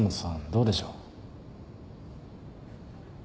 どうでしょう？